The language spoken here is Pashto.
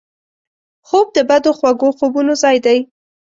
خوب د بدو خوږو خوبونو ځای دی